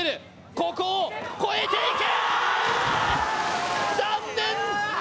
ここを越えていけ！